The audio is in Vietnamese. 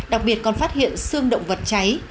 đặc biệt còn phát hiện xương động vật cháy